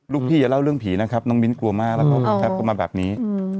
พี่อย่าเล่าเรื่องผีนะครับน้องมิ้นกลัวมากแล้วก็แป๊บเข้ามาแบบนี้